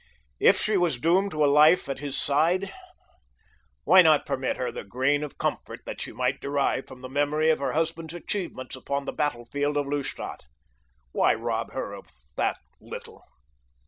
If she was doomed to a life at his side, why not permit her the grain of comfort that she might derive from the memory of her husband's achievements upon the battlefield of Lustadt? Why rob her of that little?